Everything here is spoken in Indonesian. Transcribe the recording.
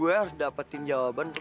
gua ada ulang minggu sekarang langsung